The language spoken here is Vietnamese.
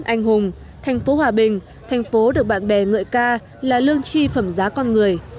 anh hùng thành phố hòa bình thành phố được bạn bè ngợi ca là lương chi phẩm giá con người